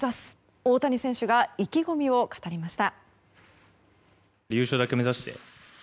大谷選手が意気込みを語りました。